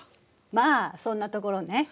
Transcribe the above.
まあそんなところね。